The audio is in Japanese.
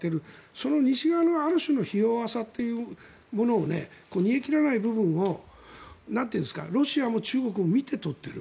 その西側のある種のひ弱さというものを煮え切らない部分をロシアも中国も見て取っている。